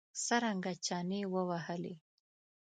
څرنګه چنې ووهلې.